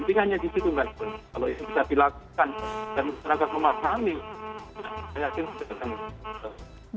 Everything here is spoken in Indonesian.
intinya hanya di situ kalau ini bisa dilakukan dan masyarakat memahami saya yakin sudah terkendali